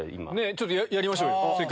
ちょっとやりましょうよ。